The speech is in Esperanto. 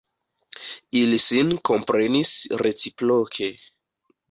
Ili sin komprenis reciproke.